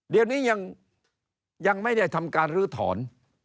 เดี๋ยวนี้ยังไม่ได้ทำการลื้อถอน